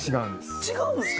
違うんです。